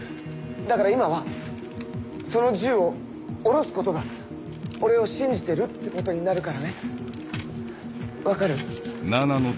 だから今はその銃を下ろすことが俺を信じてるってことになるからね。分かる？